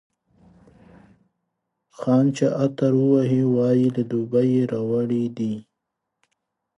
خان چي عطر ووهي، وايي له دوبۍ یې راوړی دی.